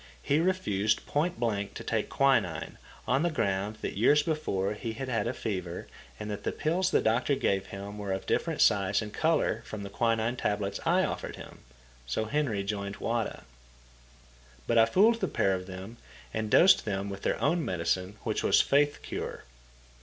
He refused point blank to take quinine, on the ground that years before he had had fever and that the pills the doctor gave him were of different size and colour from the quinine tablets I offered him. So Henry joined Wada. But I fooled the pair of them, and dosed them with their own medicine, which was faith cure.